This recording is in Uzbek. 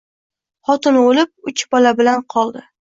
Xotini o‘lib, uch bolaminan koldi